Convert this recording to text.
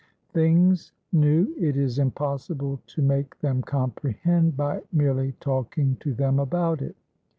Things new it is impossible to make them comprehend, by merely talking to them about it.